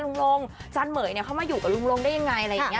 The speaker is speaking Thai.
ลุงลงอาจารย์เหม๋ยเข้ามาอยู่กับลุงลงได้ยังไงอะไรอย่างนี้